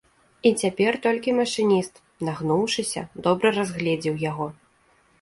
І цяпер толькі машыніст, нагнуўшыся, добра разгледзеў яго.